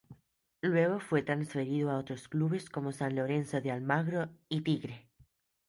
Luego fue transferido a otros clubes como San Lorenzo de Almagro y Tigre.